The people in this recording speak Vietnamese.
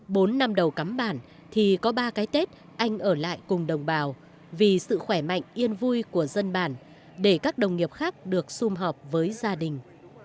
bốn năm đầu cắm bản thì có ba cái tết anh ở lại cùng đồng bào vì sự khỏe mạnh yên vui của dân bản để các đồng nghiệp khác được xung họp với gia đình